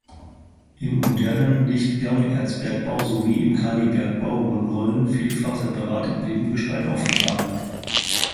Im modernen Nicht-Gangerzbergbau sowie im Kalibergbau wurden Rollen vielfach separat im Nebengestein aufgefahren.